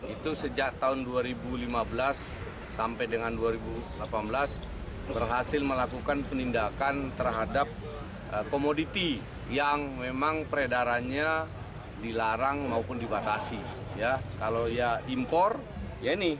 impornya harus melalui izin yang diberikan